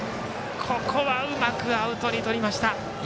ここはうまくアウトにとりました。